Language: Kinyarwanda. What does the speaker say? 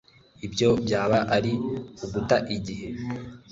ibyo byaba ari uguta igihe